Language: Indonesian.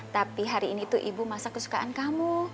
tapi hari ini tuh ibu masa kesukaan kamu